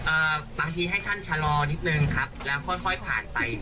บางทีให้ท่านชะลอนิดนึงครับแล้วค่อยค่อยผ่านไป